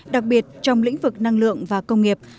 đặc biệt trong lĩnh vực năng lượng và công nghiệp